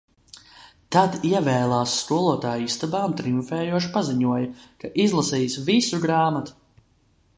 Tad ievēlās skolotāju istabā un triumfējoši paziņoja, ka izlasījis visu grāmatu.